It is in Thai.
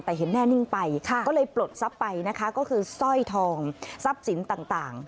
แต่เห็นแน่นิ่งไปก็เลยปลดทรัพย์ไปนะคะก็คือสร้อยทองทรัพย์สินต่าง